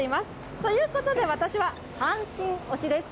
ということで私は、阪神推しです。